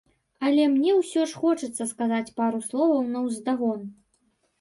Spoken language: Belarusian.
Але мне ўсё ж хочацца сказаць пару словаў наўздагон.